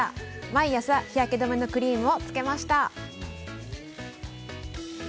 毎朝、日焼け止めのクリームをつけました。